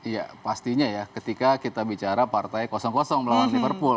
ya pastinya ya ketika kita bicara partai kosong kosong melawan liverpool